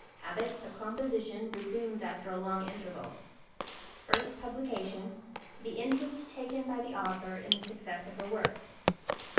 _Habits of Composition resumed after a long interval First publication The interest taken by the Author in the success of her Works_.